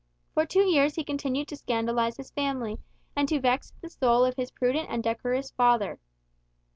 For two years he continued to scandalize his family, and to vex the soul of his prudent and decorous father.